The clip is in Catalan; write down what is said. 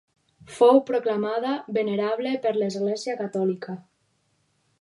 Fou proclamada venerable per l'Església catòlica.